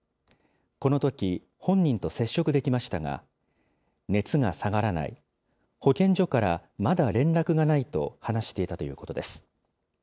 このとき、本人と接触できましたが、熱が下がらない、保健所からまだ連絡がないと話していたということです。